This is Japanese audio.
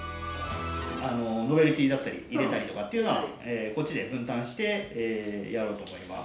あのノベルティーだったり入れたりとかっていうのはこっちで分担してやろうと思います。